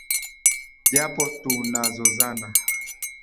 japo tunazozana